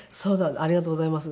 ありがとうございます。